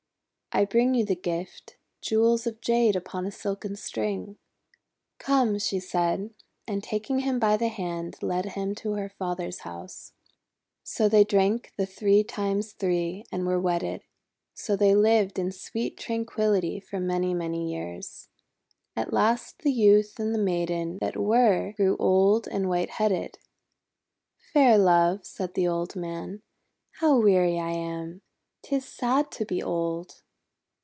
"I bring you the gift, jewels of Jade upon a silken string." :'Come," she said, and, taking him by the hand, led him to her father's house. So they drank "the Three Times Three," and were wedded. So they lived in sweet tranquillity for many, many years. At last the Youth and the Maiden that were, grew old and white headed. "Fair Love," said the old man, "how weary I am! 'Tis sad to be old."